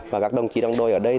và các đồng chí đồng đội ở đây